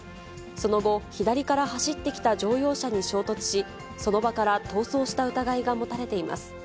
その後、左から走ってきた乗用車に衝突し、その場から逃走した疑いが持たれています。